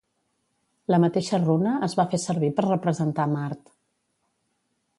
La mateixa runa es va fer servir per representar Mart.